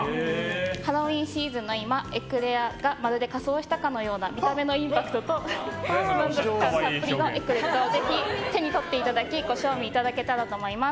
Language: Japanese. ハロウィーンシーズンの今エクレアがまるで仮装をしたような見た目のインパクト抜群のエクレットをぜひ手に取っていただきご賞味いただければと思います。